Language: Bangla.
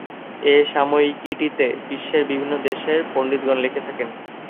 এ সাময়িকীটিতে বিশ্বের বিভিন্ন দেশের পন্ডিতগণ লিখে থাকেন।